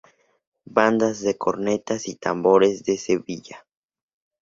Bandas de cornetas y tambores de Sevilla.